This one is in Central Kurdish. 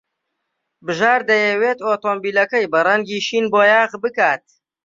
بژار دەیەوێت ئۆتۆمۆبیلەکەی بە ڕەنگی شین بۆیاغ بکات.